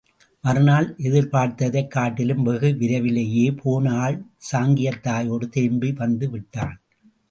மறுநாள் எதிர்பார்த்ததைக் காட்டிலும் வெகு விரைவிலேயே, போன ஆள் சாங்கியத் தாயோடு திரும்பி வந்து விட்டான்.